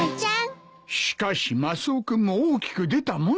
しかしマスオ君も大きく出たもんだな。